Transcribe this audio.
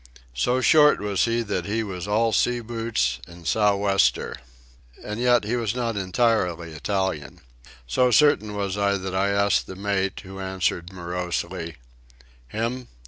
So short was he that he was all sea boots and sou'wester. And yet he was not entirely Italian. So certain was I that I asked the mate, who answered morosely: "Him?